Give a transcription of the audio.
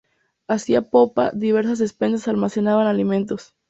Hacia popa, diversas despensas almacenaban alimentos.